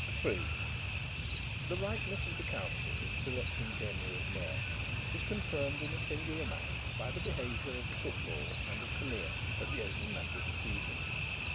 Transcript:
III The rightness of the Council in selecting Denry as mayor was confirmed in a singular manner by the behaviour of the football and of Callear at the opening match of the season.